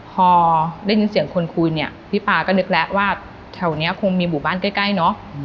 พอได้ยินเสียงคนคุยเนี่ยพี่ปาก็นึกแล้วว่าแถวนี้คงมีหมู่บ้านใกล้เนอะ